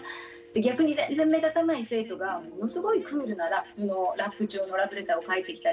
逆に全然目立たない生徒がものすごいクールなラップ調のラブレターを書いてきたりとかして。